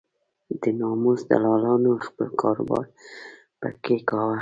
د ناموس دلالانو خپل کار و بار په کې کاوه.